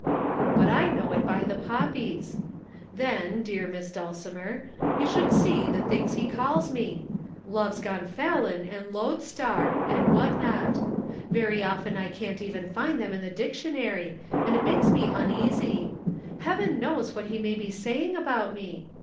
But I knew it by the poppies. Then, dear Miss Dulcimer, you should just see the things he calls me 'Love's gonfalon and lodestar' and what not. Very often I can't even find them in the dictionary and it makes me uneasy. Heaven knows what he may be saying about me!